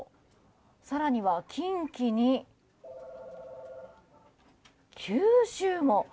更には近畿に九州も。